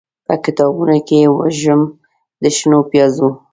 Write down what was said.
به کتابونوکې یې، وږم د شنو پیازو